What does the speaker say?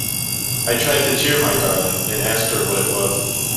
I tried to cheer my darling, and asked her what it was.